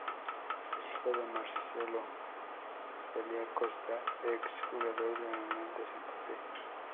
Es hijo de Marcelo Dalla Costa, ex jugador de Unión de Santa Fe.